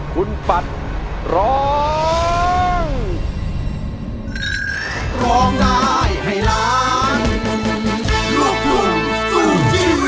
คุณปัดร้อง